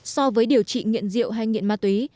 so với điều trị nghiện rượu hay nghiện ma túy